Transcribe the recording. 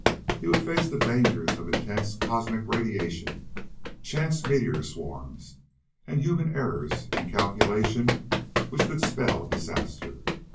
He would face the dangers of intense cosmic radiation, chance meteor swarms, and human errors in calculation which could spell disaster.